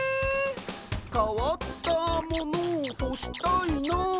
「かわったものをほしたいな」